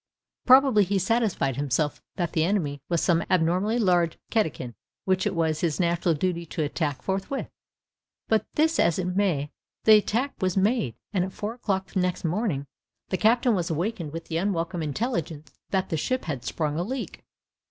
Probably he satisfied himself that the enemy was some abnormally large cetacean, which it was his natural duty to attack forthwith. Be this as it may, the attack was made, and at four o'clock the next morning the captain was awakened with the unwelcome intelligence that the ship had sprung a leak.